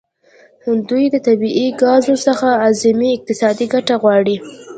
دوی د طبیعي ګازو څخه اعظمي اقتصادي ګټه غواړي